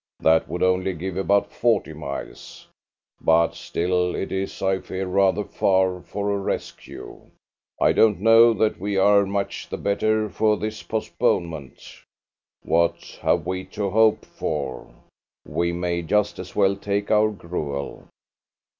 That would only give about forty miles, but still it is, I fear, rather far for a rescue. I don't know that we are much the better for this postponement. What have we to hope for? We may just as well take our gruel."